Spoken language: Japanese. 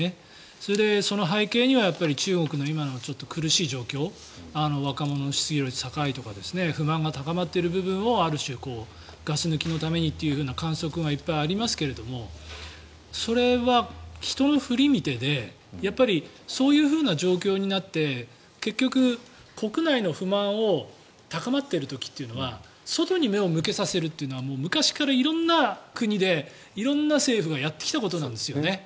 それで、その背景には中国の今の苦しい状況若者の失業率が高いとか不満が高まっている部分をある種ガス抜きのためにという観測がいっぱいありますがそれは人のふり見てでやっぱりそういう状況になって結局、国内の不満が高まっている時というのは外に目を向けさせるというのはもう昔から色んな国で色んな政府がやってきたことなんですね。